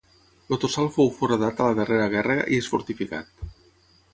El tossal fou foradat a la darrera guerra i és fortificat.